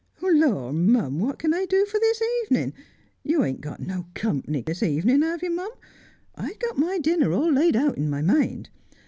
' Lor, mum, what can I do for this evening ? You ain't got no company this evening, have you, mum ? I'd got my dinner all laid out in my mind.